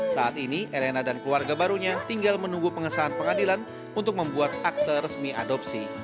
saat ini elena dan keluarga barunya tinggal menunggu pengesahan pengadilan untuk membuat akte resmi adopsi